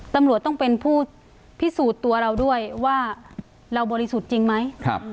ตำรวจต้องเป็นผู้พิสูจน์ตัวเราด้วยว่าเราบริสุทธิ์จริงไหม